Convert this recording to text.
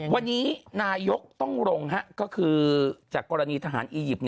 วันนี้นายกต้องลงก็คือจากกรณีทหารอียิปต์